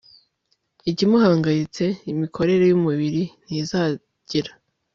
ikimuhangayitse imikorere yumubiri ntizagira